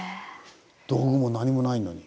道具も何もないのに。